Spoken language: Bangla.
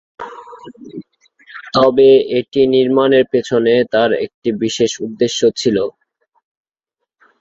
তবে এটি নির্মাণের পেছনে তার একটি বিশেষ উদ্দেশ্য ছিল।